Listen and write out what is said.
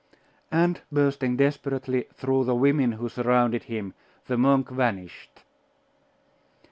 And bursting desperately through the women who surrounded him, the monk vanished.